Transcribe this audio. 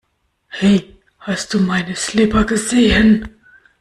Hey hast du meine Slipper gesehen?